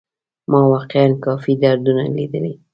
ما واقيعا کافي دردونه ليدلي.